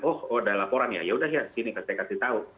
oh ada laporan yaudah ya sini kasih kasih tahu